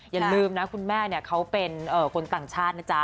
อย่าลืมนะคุณแม่เขาเป็นคนต่างชาตินะจ๊ะ